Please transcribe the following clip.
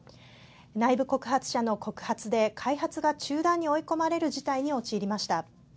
内部告発者の告発で開発が中断に追い込まれる事態に陥りました。